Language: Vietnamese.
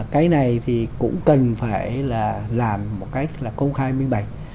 cái này thì cũng cần phải là làm một cách là công khai minh bạch